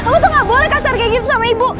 utu gak boleh kasar kayak gitu sama ibu